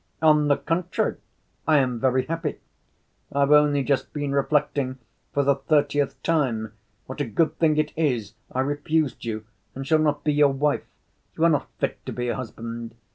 "On the contrary, I am very happy. I've only just been reflecting for the thirtieth time what a good thing it is I refused you and shall not be your wife. You are not fit to be a husband.